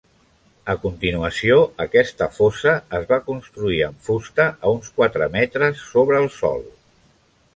A continuació, aquesta fossa es va construir amb fusta a uns quatre metres sobre el sòl.